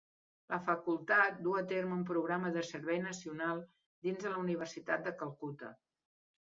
La facultat duu a terme un Programa de Servei Nacional dins de la Universitat de Calcuta.